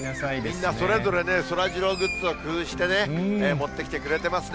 みんなそれぞれね、そらジローグッズを工夫をして持ってきてくれてますね。